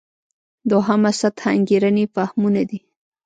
دوهمه سطح انګېرنې فهمونه دي.